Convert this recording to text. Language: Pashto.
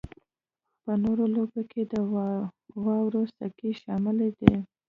په نورو لوبو کې د واورې سکی شامل دی